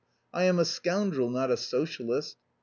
I am a scoundrel, not a socialist.